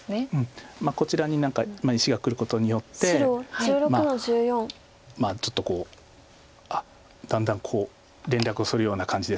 こちらに何か石がくることによってまあちょっとこうだんだんこう連絡するような感じです